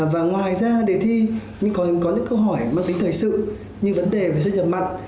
và ngoài ra đề thi có những câu hỏi mắc tính thời sự như vấn đề về sức nhập mặn